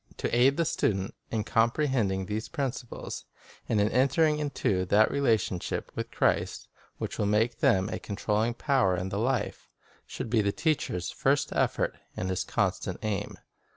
To aid the student in comprehending these principles, and in entering into that relation with Christ which will make them a con trolling power in the life, should be the teacher's first effort and his constant aim.